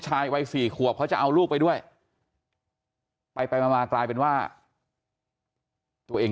ชายวัย๔ขวบเขาจะเอาลูกไปด้วยไปไปมากลายเป็นว่าตัวเอง